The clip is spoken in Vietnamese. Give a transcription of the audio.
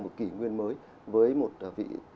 một kỷ nguyên mới với một vị